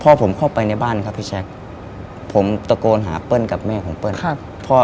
พ่อผมเข้าไปในบ้านครับพี่แจ๊คผมตะโกนหาเปิ้ลกับแม่ของเปิ้ลครับพ่อ